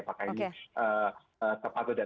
apakah ini tepat atau tidak